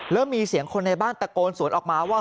แล้วมีเสียงคนในบ้านตะโกนสวนออกมาว่า